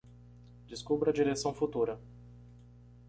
Descubra a direção futura